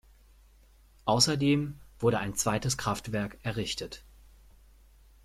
Außerdem wurde ein zweites Kraftwerk errichtet.